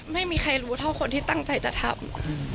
ไม่มีใครรู้เท่าคนที่ตั้งใจจะทำ